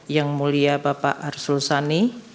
yang mulia bapak arsul sani